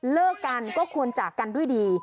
เลิกกันก็ควรจากกันด้วยดี